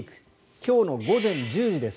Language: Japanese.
今日の午前１０時です。